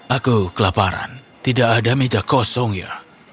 aku kelaparan tidak ada meja kosong ya